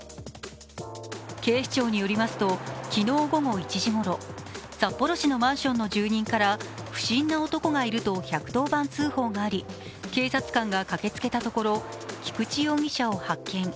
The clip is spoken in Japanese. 警視庁によりますと昨日午後１時ごろ、札幌市のマンションの住人から不審な男がいると１１０番通報があり、警察官が駆けつけたところ菊池容疑者を発見。